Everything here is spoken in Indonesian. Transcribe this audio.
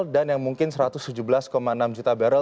dan yang mungkin satu ratus tujuh belas enam juta barrel